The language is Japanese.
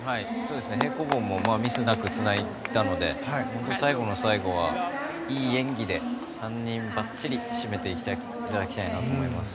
平行棒もミスなくつないだので最後の最後は、いい演技で３人ばっちり締めていただきたいと思います。